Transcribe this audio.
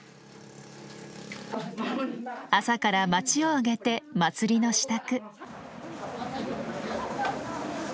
朝から町を挙げて祭りの支度。